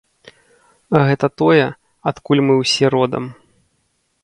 Гэта тое, адкуль мы ўсе родам.